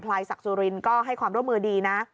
พลายสักสุรินก็ให้ความร่วมมือดีนะ